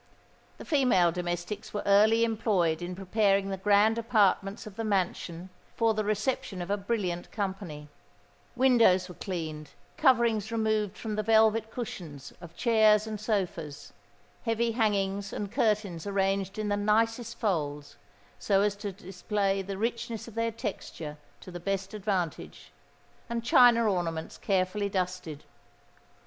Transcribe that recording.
The female domestics were early employed in preparing the grand apartments of the mansion for the reception of a brilliant company:—windows were cleaned, coverings removed from the velvet cushions of chairs and sofas, heavy hangings and curtains arranged in the nicest folds so as to display the richness of their texture to the best advantage, and China ornaments carefully dusted.